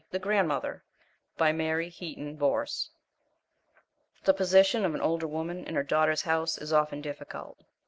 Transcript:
THE GRANDMOTHER, by Mary Heaton Vorse The position of an older woman in her daughter's house is often difficult.